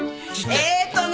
えっとな。